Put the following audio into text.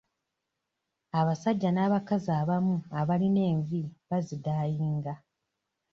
Abasajja n'abakazi abamu abalina envi bazidaayinga.